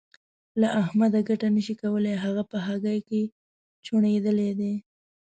له احمده ګټه نه شې کولای؛ هغه په هګۍ کې چوڼېدلی دی.